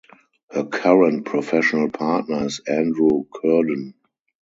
Her current professional partner is Andrew Cuerden.